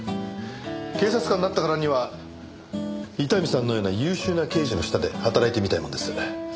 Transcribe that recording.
警察官になったからには伊丹さんのような優秀な刑事の下で働いてみたいもんです。